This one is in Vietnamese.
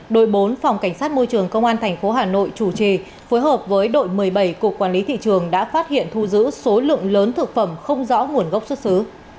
đội bốn phòng cảnh sát môi trường công an tp hà nội chủ trì phối hợp với đội một mươi bảy cục quản lý thị trường đã phát hiện thu giữ số lượng lớn thực phẩm không rõ nguồn gốc xuất xứ